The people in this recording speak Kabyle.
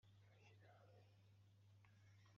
Midyan iǧǧa-d: Ɛiyfa, Ɛifiṛ, Ḥanux, Abidaɛ akked Ildaɛa.